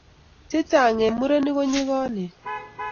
Chechang' eng' murenik ko nyigaanen.